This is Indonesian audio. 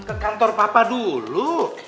ke kantor papa dulu